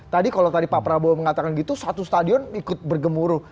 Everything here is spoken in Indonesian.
tadi kalau tadi pak prabowo mengatakan gitu satu stadion ikut bergemuruh